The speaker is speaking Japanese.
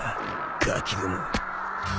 ガキども。